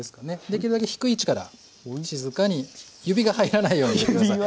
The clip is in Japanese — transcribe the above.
できるだけ低い位置から静かに指が入らないように入れて下さい。